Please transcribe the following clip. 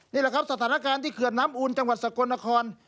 นี่แหละครับสถานการณ์ที่เขื่อนน้ำอูลจังหวัดสกลนคร